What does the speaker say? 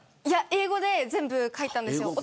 英語で全部書いたんです。